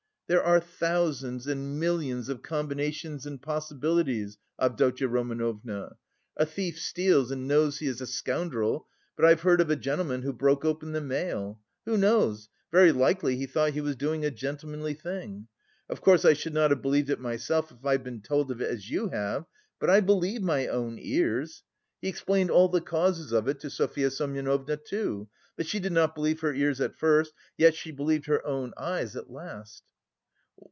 "There are thousands and millions of combinations and possibilities, Avdotya Romanovna. A thief steals and knows he is a scoundrel, but I've heard of a gentleman who broke open the mail. Who knows, very likely he thought he was doing a gentlemanly thing! Of course I should not have believed it myself if I'd been told of it as you have, but I believe my own ears. He explained all the causes of it to Sofya Semyonovna too, but she did not believe her ears at first, yet she believed her own eyes at last."